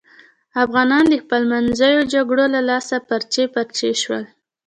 افغانان د خپلمنځیو جگړو له لاسه پارچې پارچې شول.